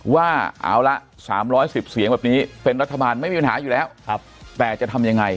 ว่าเอาละ๓๑๐เสียงแบบนี้เป็นรัฐบาลไม่มีปัญหาอยู่แล้วแต่จะทำยังไง